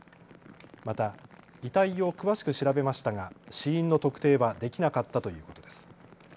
また遺体を詳しく調べましたが死因の特定はできなかったということです。